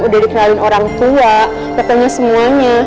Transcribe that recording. udah dikenalin orang tua katanya semuanya